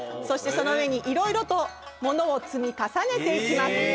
そしてその上にいろいろと物を積み重ねて行きます。